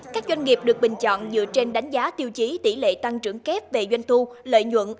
các doanh nghiệp được bình chọn dựa trên đánh giá tiêu chí tỷ lệ tăng trưởng kép về doanh thu lợi nhuận